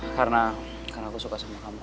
karena aku suka sama kamu